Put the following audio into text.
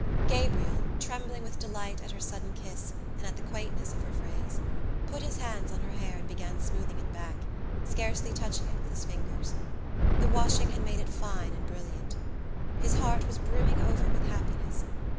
Gabriel, trembling with delight at her sudden kiss and at the quaintness of her phrase, put his hands on her hair and began smoothing it back, scarcely touching it with his fingers. The washing had made it fine and brilliant. His heart was brimming over with happiness.